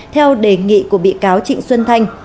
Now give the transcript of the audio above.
theo đề nghị của bị cáo trịnh xuân thanh